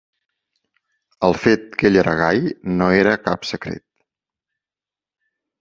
El fet que ell era gai no era cap secret.